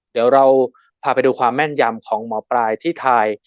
เดี๋ยวเราพาไปดูความแม่นยำของหมอปลายที่ทาย